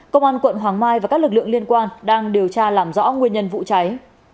công an quận hoàng mai và các lực lượng liên quan đang điều tra làm rõ nguyên nhân vụ cháy